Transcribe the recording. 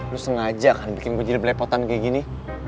lo sengaja kan bikin gue jilip lepotan kayak gini